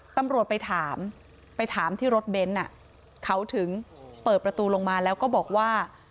ตำรวจไปถามไปถามที่รถเบนท์เขาถึงเปิดประตูลงมาแล้วก็บอกว่า